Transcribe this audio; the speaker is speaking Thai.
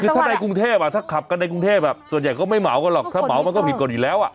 คือถ้าในกรุงเทพถ้าขับกันในกรุงเทพส่วนใหญ่ก็ไม่เหมากันหรอกถ้าเหมามันก็ผิดกฎอยู่แล้ว